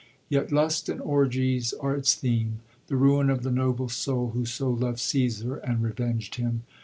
Yet lust and orgies are its theme, the ruin of the noble soul who so lovd CsBsar and revenged him.